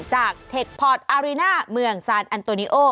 เทคพอร์ตอาริน่าเมืองซานอันโตนิโอ